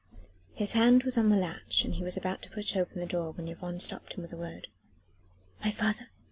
His hand was on the latch and he was about to push open the door, when Yvonne stopped him with a word. "My father?"